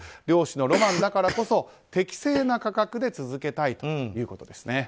漁師のロマンだからこそ適正な価格で続けたいということです。